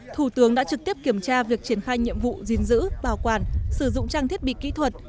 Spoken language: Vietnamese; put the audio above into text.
thủ tướng đã trực tiếp kiểm tra việc triển khai nhiệm vụ gìn giữ bảo quản sử dụng trang thiết bị kỹ thuật